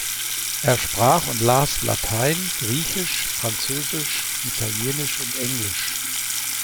Er sprach und las Latein, Griechisch, Französisch, Italienisch und Englisch.